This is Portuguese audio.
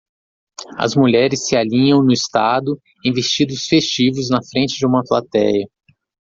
As mulheres se alinham no estado em vestidos festivos na frente de uma platéia.